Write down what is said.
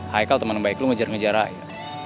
hai kal temen baik lo ngejar ngejar raya